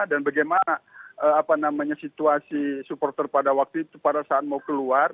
bagaimana situasi supporter pada waktu itu pada saat mau keluar